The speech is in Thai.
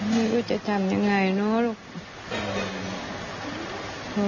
ไม่รู้จะทำยังไงเนาะลูก